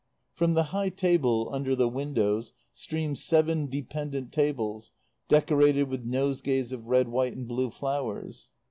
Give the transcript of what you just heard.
From the high table under the windows streamed seven dependent tables decorated with nosegays of red, white and blue flowers.